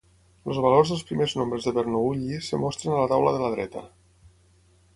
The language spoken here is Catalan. Els valors dels primers nombres de Bernoulli es mostren a la taula de la dreta.